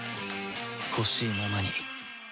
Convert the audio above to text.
ほしいままに